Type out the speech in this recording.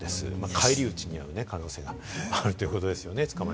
返り討ちに遭う可能性もあるということですよね。